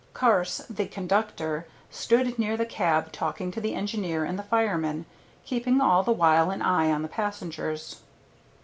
Carse, the conductor, stood near the cab talking to the engineer and the fireman, keeping all the while an eye on the passengers.